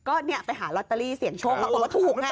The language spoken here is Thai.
ก็เนี่ยไปหารอตเตอรี่เสียงโชคเขาก็บอกว่าถูกแหละ